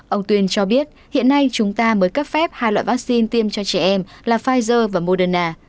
ông tuyên cho biết hiện nay chúng ta mới cấp phép hai loại vaccine tiêm cho trẻ em là pfizer và moderna